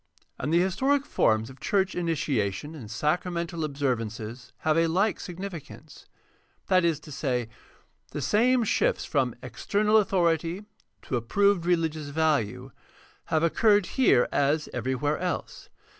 And the historic forms of church initiation and sacramental observ ances have a like significance. That is to say, the same shifts from external authority to approved religious value have occurred here as everywhere else.